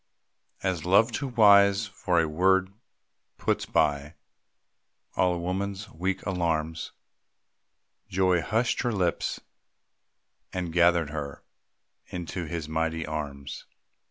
As love, too wise for a word, puts by All a woman's weak alarms, Joy hushed her lips, and gathered her Into his mighty arms.